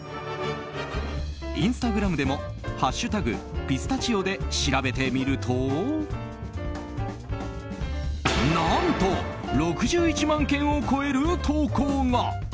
インスタグラムでも「＃ピスタチオ」で調べてみると何と、６１万件を超える投稿が。